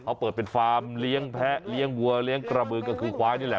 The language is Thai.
เขาเปิดเป็นฟาร์มเลี้ยงแพะเลี้ยงวัวเลี้ยงกระบือก็คือควายนี่แหละ